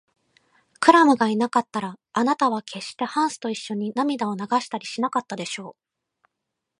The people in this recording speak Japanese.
クラムがいなかったら、あなたはけっしてハンスといっしょに涙を流したりしなかったでしょう。